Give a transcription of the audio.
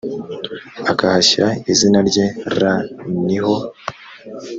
akahashyira izina rye r ni ho